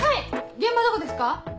現場どこですか？